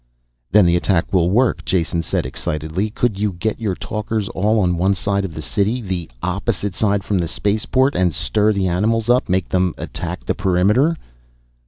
"Then the attack will work," Jason said excitedly. "Could you get your talkers all on one side of the city the opposite side from the spaceport and stir the animals up? Make them attack the perimeter?"